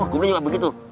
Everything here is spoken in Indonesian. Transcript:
gua juga begitu